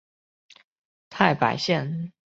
太白线